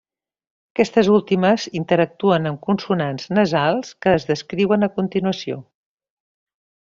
Aquestes últimes interactuen amb consonants nasals que es descriuen a continuació.